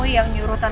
mas di gurian